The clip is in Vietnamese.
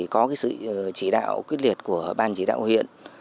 có sự chỉ đạo quyết liệt của ban chỉ đạo huyện